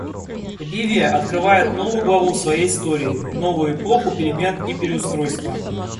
Ливия открывает новую главу в своей истории — новую эпоху перемен и переустройства.